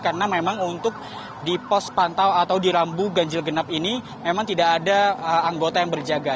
karena memang untuk di pos pantau atau di rambu ganjil genap ini memang tidak ada anggota yang berjaga